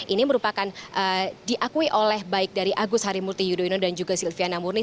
ini merupakan diakui oleh baik dari agus harimulti yudhoyono dan juga silvi anamurni